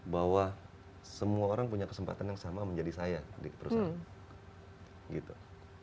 bahwa semua orang punya kesempatan yang sama menjadi saya di perusahaan ini gitu